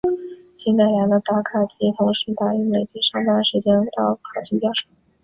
经改良的打卡机同时打印累计上班时间到考勤表上。